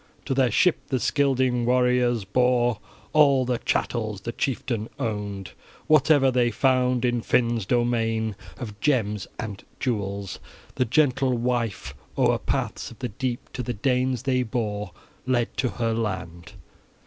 To their ship the Scylding warriors bore all the chattels the chieftain owned, whatever they found in Finn's domain of gems and jewels. The gentle wife o'er paths of the deep to the Danes they bore, led to her land.